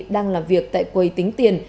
đang làm việc tại quầy tính tiền